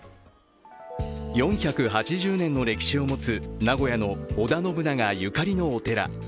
４８０年の歴史を持つ名古屋の織田信長ゆかりのお寺。